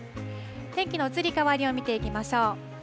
天気の移り変わりを見ていきましょう。